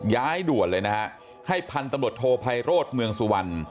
ย้ายด่วนเลยนะฮะให้พันธุ์ตำรวจโทไพโรธเมืองสุวรรณ